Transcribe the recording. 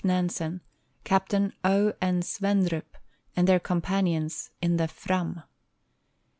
Nansen, Captain O. N. Svendrup, and their companions in the Fram.